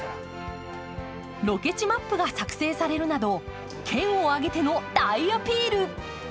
ロケ地マップが作成されるなど県をあげての大アピール。